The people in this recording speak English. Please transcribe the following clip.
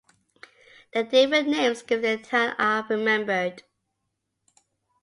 The different names given to the town are remembered.